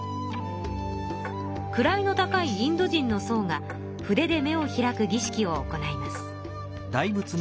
位の高いインド人のそうが筆で目を開くぎ式を行います。